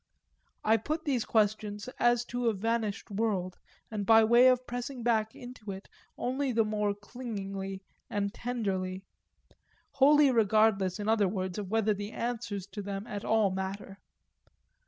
I put these questions as to a vanished world and by way of pressing back into it only the more clingingly and tenderly wholly regardless in other words of whether the answers to them at all matter.